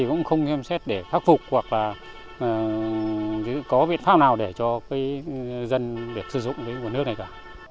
cũng không xem xét để phát phục hoặc là có biện pháp nào để cho dân được sử dụng của nước này cả